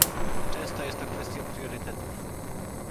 Często jest to kwestia priorytetów